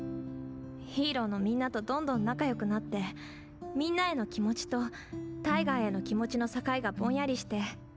ヒーローのみんなとどんどん仲良くなってみんなへの気持ちとタイガーへの気持ちの境がボンヤリして。